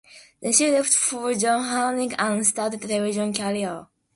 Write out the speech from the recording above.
Then she left for Johannesburg and started television career.